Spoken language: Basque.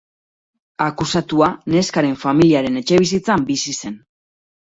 Akusatua neskaren familiaren etxebizitzan bizi zen.